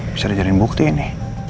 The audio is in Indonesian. bisa dijadiin bukti ini